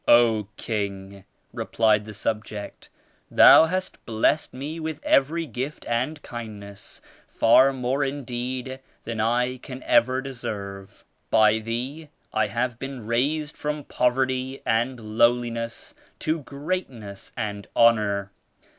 'O KingP replied the subject, *Thou hast blessed me with every gift and kindness, far more indeed than I can ever deserve. By thee I have been raised from poverty and lowliness to greatness and honor.